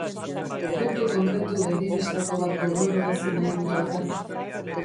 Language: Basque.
Puntu konkretu begi bistako bat gogorarazi nahi dut bakarrik.